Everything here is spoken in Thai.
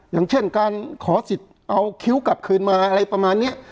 อย่างเช่นการขอสิทธิ์เอาคิ้วกลับคืนมาอะไรประมาณนี้